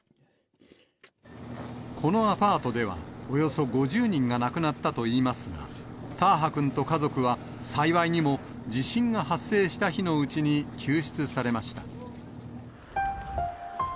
このアパートではおよそ５０人が亡くなったといいますが、ターハ君と家族は、幸いにも、地震が発生した日のうちに救出されました。